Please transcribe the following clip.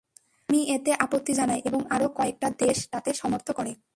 আমি এতে আপত্তি জানাই এবং আরও কয়েকটা দেশ তাতে সমর্থন করে।